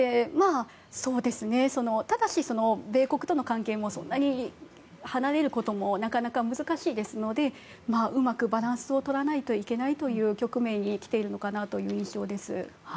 ただし、米国との関係もそんなに離れることもなかなか難しいですのでうまくバランスを取らないといけないという局面に来ているのかなという印象です。